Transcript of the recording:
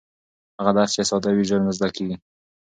هغه درس چې ساده وي ژر زده کېږي.